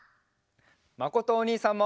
まことおにいさんも！